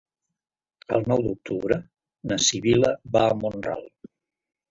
El nou d'octubre na Sibil·la va a Mont-ral.